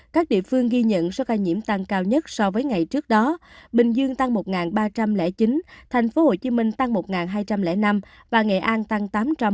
các địa phương ghi nhận số ca nhiễm tăng cao nhất so với ngày trước đó bình dương tăng một ba trăm linh chín thành phố hồ chí minh tăng một hai trăm linh năm và nghệ an tăng tám trăm bốn mươi năm